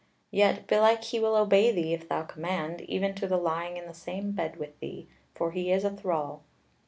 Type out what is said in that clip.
Yet belike he will obey thee if thou command, even to the lying in the same bed with thee; for he is a thrall."